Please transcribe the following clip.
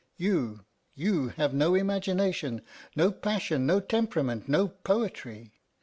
You you have no imagination, no passion, no temperament, no poetry.